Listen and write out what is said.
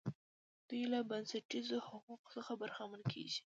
دوی له بنسټیزو حقوقو څخه برخمن کیږي.